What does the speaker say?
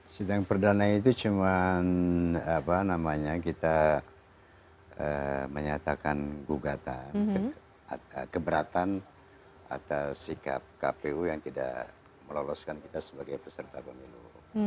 sidang perdana itu cuma kita menyatakan gugatan keberatan atas sikap kpu yang tidak meloloskan kita sebagai peserta pemilu